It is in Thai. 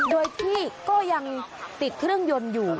โดยที่ก็ยังติดเครื่องยนต์อยู่